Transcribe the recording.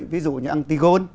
ví dụ như antigone